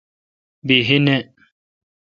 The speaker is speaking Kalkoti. بیہی نہ۔